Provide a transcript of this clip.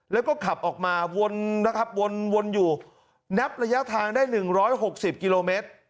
แล้วก็ขับออกมาวนนะครับวนอยู่นับระยะทางได้๑๖๐กิโลเมตร